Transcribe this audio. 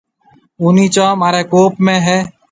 اُونَي چونه مهاريَ ڪوم ۾ هيَ۔